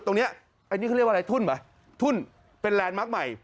ตรงนี้อันนี้เขาเรียกว่าอะไรทุ่นเหรอทุ่นเป็นแลนด์มาร์คใหม่